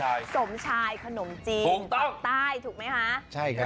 ร้านสมชายขนมจิงใต้ถูกไหมคะ